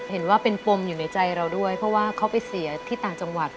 เห็นว่าเป็นปมอยู่ในใจเราด้วยเพราะว่าเขาไปเสียที่ต่างจังหวัด